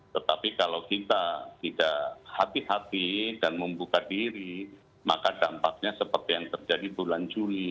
tetapi kalau kita tidak hati hati dan membuka diri maka dampaknya seperti yang terjadi bulan juli